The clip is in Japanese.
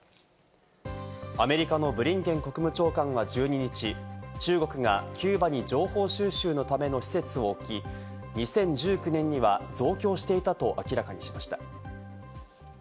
アメリカのブリンケン国務長官は１２日、中国がキューバに情報収集のための施設を置き、２０１９年には増強していたと明らかにしました。